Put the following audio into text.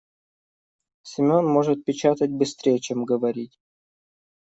Семён может печатать быстрее, чем говорить.